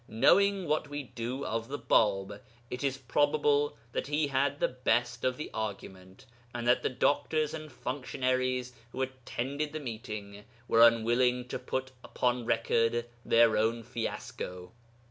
Knowing what we do of the Bāb, it is probable that he had the best of the argument, and that the doctors and functionaries who attended the meeting were unwilling to put upon record their own fiasco.